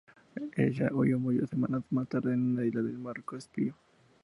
El sah huyó y murió semanas más tarde en una isla del mar Caspio.